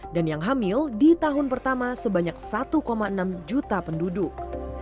dan yang hamil di tahun pertama sebanyak satu enam juta penduduk